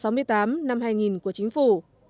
năm hai nghìn của chính phủ